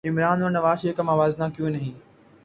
عمرا ن اور نواز شریف کا موازنہ کیوں نہیں